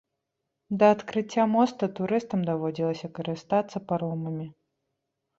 Да адкрыцця моста турыстам даводзілася карыстацца паромамі.